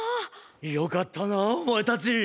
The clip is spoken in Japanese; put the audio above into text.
よかったなお前たち。